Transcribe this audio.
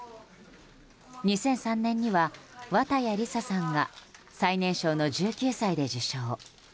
２００３年には綿矢りささんが最年少の１９歳で受賞。